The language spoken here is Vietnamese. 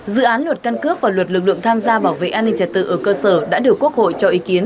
dự án luật căn cước và luật lực lượng tham gia bảo vệ an ninh trật tự ở cơ sở đã được quốc hội cho ý kiến